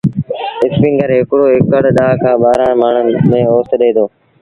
اسپيٚنگر رو هڪڙو اڪڙ ڏآه کآݩ ٻآهرآݩ مڻ ريٚ اوست ڏي دو۔